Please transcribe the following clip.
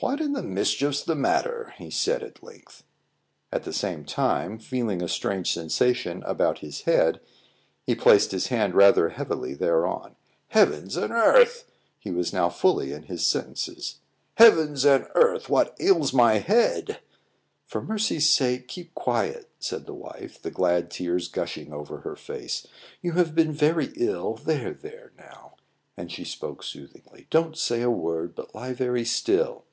"What in the mischief's the matter?" he at length said. At the same time, feeling a strange sensation about his head, he placed his hand rather heavily thereon. "Heavens and earth!" He was now fully in his senses. "Heavens and earth! what ails my head?" "For mercy's sake, keep quiet," said the wife, the glad tears gushing over her face. "You have been very ill; there, there, now!" And she spoke soothingly. "Don't say a word, but lie very still."